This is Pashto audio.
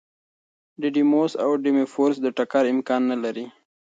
ډیډیموس او ډیمورفوس د ټکر امکان نه لري.